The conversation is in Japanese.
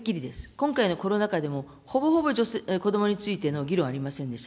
今回のコロナ禍でも、ほぼほぼ、子どもについての議論はありませんでした。